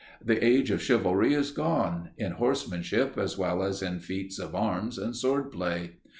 The age of Chivalry is gone, in horsemanship as well as in feats of arms and sword play.